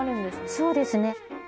そうですね。